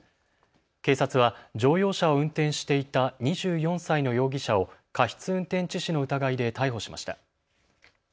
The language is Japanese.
警察は乗用車を運転していた２４歳の容疑者を過失運転致死の疑いで逮捕しました。